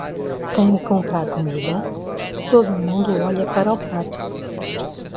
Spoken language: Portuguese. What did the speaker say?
Quem compra a comida, todo mundo olha para o prato.